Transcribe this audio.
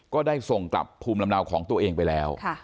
ก็ได้ส่งกลับภูมิลำเนาของตัวเองไปแล้ว